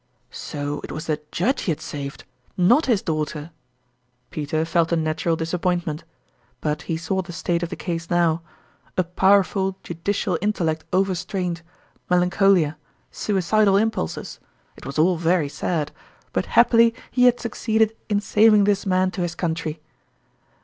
So it was the Judge he had saved not his daughter ! Peter felt a natural disappoint ment. But he saw the state of the case now : a powerful judicial intellect over strained, mel ancholia, suicidal impulses it was all very sad ; but happily he had succeeded in saving this man to his country.